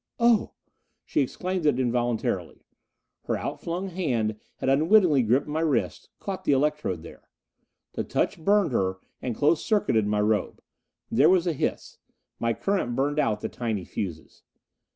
"Oh!" She exclaimed it involuntarily. Her outflung hand had unwittingly gripped my wrist, caught the electrode there. The touch burned her, and close circuited my robe. There was a hiss. My current burned out the tiny fuses.